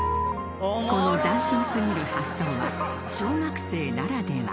［この斬新過ぎる発想は小学生ならでは］